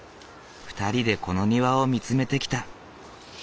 ２人でこの庭を見つめてきた。